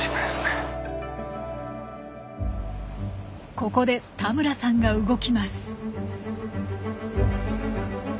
ここで田村さんが動きます。